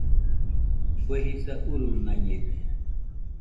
Kue jisa urunaiñede